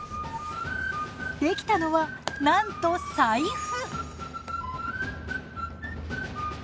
出来たのはなんと財布！